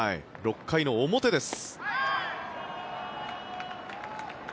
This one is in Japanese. ６回の表です。